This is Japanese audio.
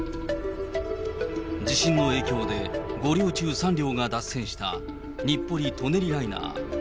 地震の影響で、５両中３両が脱線した日暮里・舎人ライナー。